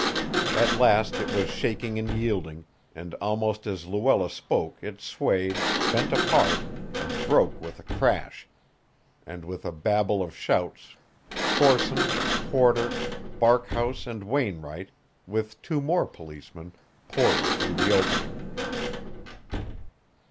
At last it was shaking and yielding, and almost as Luella spoke it swayed, bent apart, and broke with a crash, and with a babel of shouts Corson, Porter, Barkhouse and Wainwright, with two more policemen, poured through the opening.